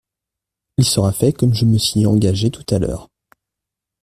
Il sera fait, comme je m’y suis engagé tout à l’heure.